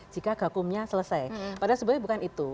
jika gakumnya selesai padahal sebenarnya bukan itu